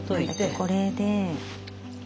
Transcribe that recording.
これで。